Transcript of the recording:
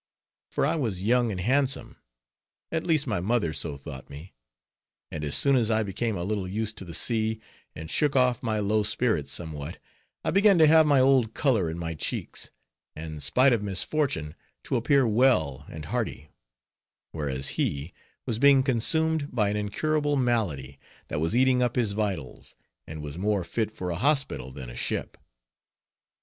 For I was young and handsome, at least my mother so thought me, and as soon as I became a little used to the sea, and shook off my low spirits somewhat, I began to have my old color in my cheeks, and, spite of misfortune, to appear well and hearty; whereas he was being consumed by an incurable malady, that was eating up his vitals, and was more fit for a hospital than a ship.